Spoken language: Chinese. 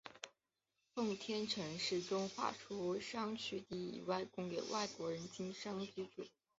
奉天城市中划出商埠地以供外国人经商居住。